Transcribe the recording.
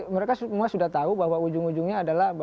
mereka semua sudah tahu bahwa ujung ujungnya adalah